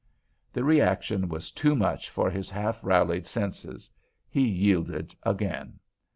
The reaction was too much for his half rallied senses. He yielded again.